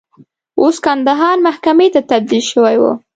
اوس کندهار محکمې ته تبدیل شوی و.